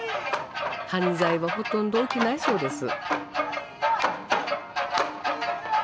犯罪はほとんど起きないそうです。